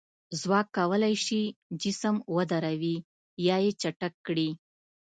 ځواک کولی شي جسم ودروي یا یې چټک کړي.